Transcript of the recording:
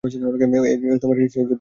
এ যুদ্ধ সেই করিয়েছে।